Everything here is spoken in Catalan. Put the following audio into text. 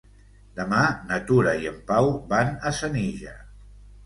Demà na Tura i en Pau van a Senija.